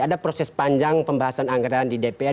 ada proses panjang pembahasan anggaran di dpr